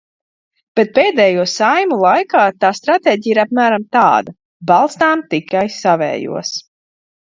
Bet pēdējo Saeimu laikā tā stratēģija ir apmēram tāda: balstām tikai savējos.